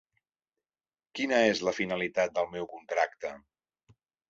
Quina és la finalitat del meu contracte?